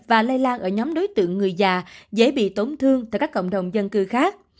và lây lan ở nhóm đối tượng người già dễ bị tổn thương tại các cộng đồng dân cư khác